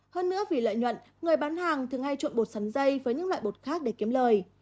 hơn nữa vì lợi nhuận người bán hàng thường ngay trộn bột sắn dây với những loại bột khác để kiếm lời